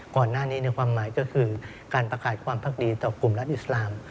ก่อนหน้านี้ในความหมายก็คือการประกาศความพักดีต่อกลุ่มรัฐอิสลาม